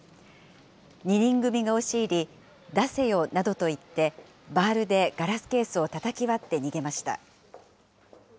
２人組が押し入り、出せよなどと言って、バールでガラスケースをたたき割って逃げました。